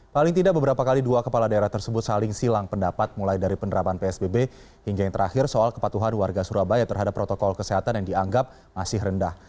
paling tidak beberapa kali dua kepala daerah tersebut saling silang pendapat mulai dari penerapan psbb hingga yang terakhir soal kepatuhan warga surabaya terhadap protokol kesehatan yang dianggap masih rendah